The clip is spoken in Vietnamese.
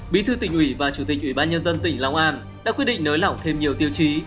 bí thư tỉnh ủy và chủ tịch ủy ban nhân dân tỉnh long an đã quyết định nới lỏng thêm nhiều tiêu chí